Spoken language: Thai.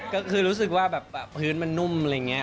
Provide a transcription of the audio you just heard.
ก็คือรู้สึกว่าแบบพื้นมันนุ่มอะไรอย่างนี้